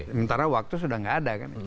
sementara waktu sudah gak ada